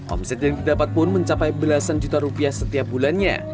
omset yang didapat pun mencapai belasan juta rupiah setiap bulannya